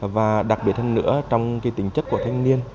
và đặc biệt hơn nữa trong tính chất của thanh niên